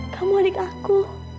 kamu adik aku